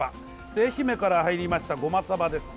愛媛から入りましたゴマサバです。